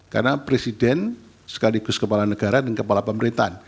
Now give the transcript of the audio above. karena presiden sekaligus kepala negara dan kepala pemerintahan